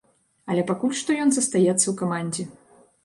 Але пакуль што ён застаецца ў камандзе.